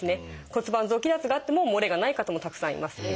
骨盤臓器脱があってももれがない方もたくさんいますね。